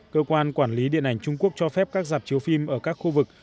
cơ quan quản lý điện ảnh trung quốc cho phép các dạp chiếu phim ở các khu vực